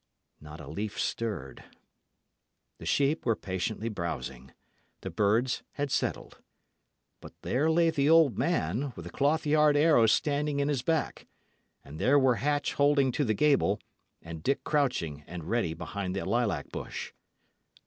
Not a leaf stirred. The sheep were patiently browsing; the birds had settled. But there lay the old man, with a cloth yard arrow standing in his back; and there were Hatch holding to the gable, and Dick crouching and ready behind the lilac bush.